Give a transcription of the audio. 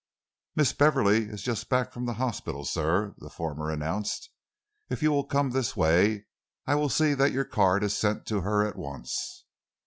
"Miss Beverley is just back from the hospital, sir," the former announced. "If you will come this way, I will see that your card is sent to her at once."